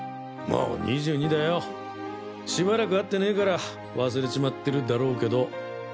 もう２２だよしばらく会ってねぇから忘れちまってるだろうけど。